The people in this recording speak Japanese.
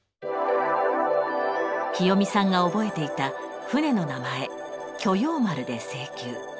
きよみさんが覚えていた船の名前「巨鷹丸」で請求。